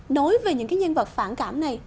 nói về những cái nhân vật phản cảm này